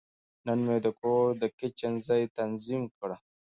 نن مې د کور د کچن ځای تنظیم کړ.